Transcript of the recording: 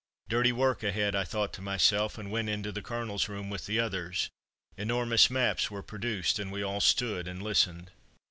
"Dirty work ahead," I thought to myself, and went into the Colonel's room with the others. Enormous maps were produced, and we all stood and listened.